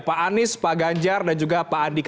pak anies pak ganjar dan juga pak andi kamil